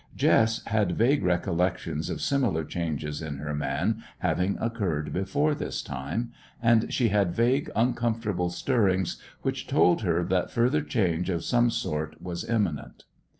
Jess had vague recollections of similar changes in her man having occurred before this time, and she had vague, uncomfortable stirrings which told her that further change of some sort was imminent.